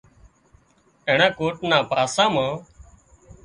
اينڻا ڪوٽ نا پاسا مان